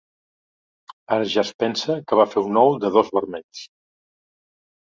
Ara ja es pensa que va fer un ou de dos vermells!